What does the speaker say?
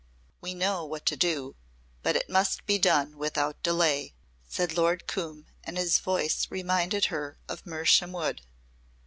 "We know what to do. But it must be done without delay," said Lord Coombe and his voice reminded her of Mersham Wood.